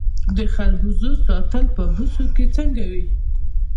د خربوزو ساتل په بوسو کې څنګه وي؟